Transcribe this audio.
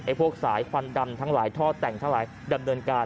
พวกสายควันดำทั้งหลายท่อแต่งทั้งหลายดำเนินการ